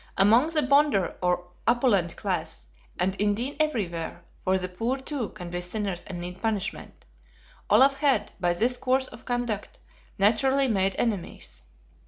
Among the Bonder or opulent class, and indeed everywhere, for the poor too can be sinners and need punishment, Olaf had, by this course of conduct, naturally made enemies.